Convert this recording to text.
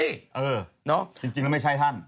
เออเนอะจริงแล้วไม่ใช่ท่าน